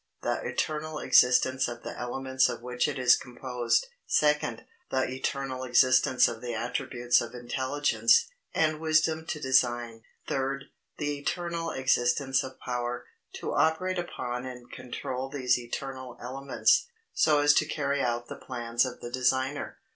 The eternal existence of the elements of which it is composed. Second. The eternal existence of the attributes of intelligence, and wisdom to design. Third. The eternal existence of power, to operate upon and control these eternal elements, so as to carry out the plans of the designer.